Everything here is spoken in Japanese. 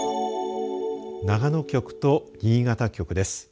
長野局と新潟局です。